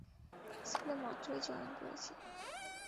স্কুলে মাত্রই জয়েন করেছি।